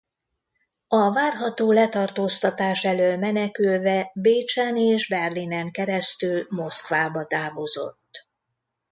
A várható letartóztatás elől menekülve Bécsen és Berlinen keresztül Moszkvába távozott.